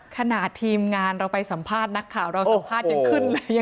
ขนาดทีมงานเราไปสัมภาษณ์นักข่าวเราสัมภาษณ์ยังขึ้นเลย